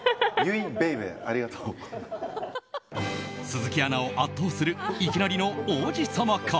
鈴木アナを圧倒するいきなりの王子様感。